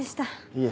いえ。